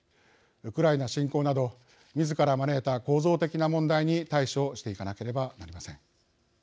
ウクライナ侵攻などみずから招いた構造的な問題に対処していかなければなりません。